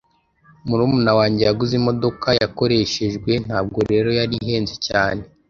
Murumuna wanjye yaguze imodoka yakoreshejwe, ntabwo rero yari ihenze cyane.